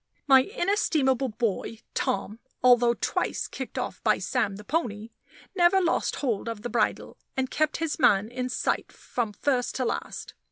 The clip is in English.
My inestimable boy, Tom, although twice kicked off by Sam the pony, never lost hold of the bridle, and kept his man in sight from first to last.